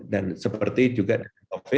dan seperti juga covid